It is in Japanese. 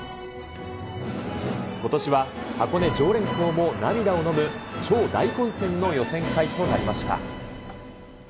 ことしは箱根常連校も涙をのむ超大混戦の予選会となりました。